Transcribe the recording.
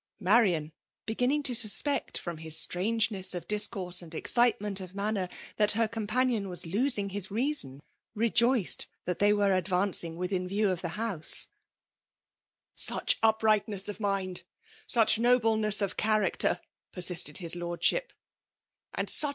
Marisen* begtrnting to sospeci, from Hs strangeness of discourse and excitement of manner, that hear companion was losing his reason^ rejoiced that they were advancing withiir view of the hous^ '* Such uptighiaiess of mind, such nobleness of chai'acter I" persisted his Liordsh^, —'< and l3 22& FRMALK DOmiiiLTiaiir.